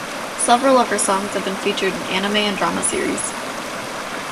Several of her songs have been featured in anime and drama series.